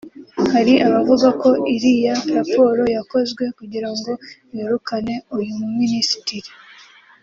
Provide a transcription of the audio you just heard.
Hari abavuga ko iriya raporo yakozwe kugira ngo birukane uyu mu minisitiri